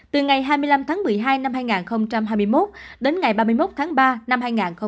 từ ngày hai mươi năm tháng một mươi hai năm hai nghìn hai mươi một đến ngày ba mươi một tháng ba năm hai nghìn hai mươi